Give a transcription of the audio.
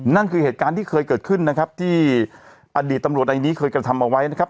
นั่นคือเหตุการณ์ที่เคยเกิดขึ้นนะครับที่อดีตตำรวจในนี้เคยกระทำเอาไว้นะครับ